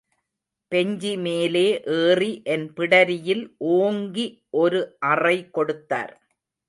பெஞ்சிமேலே ஏறி என் பிடரியில் ஓங்கி ஒரு அறை கொடுத்தார்.